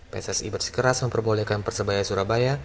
pssi bersikeras memperbolehkan persebaya surabaya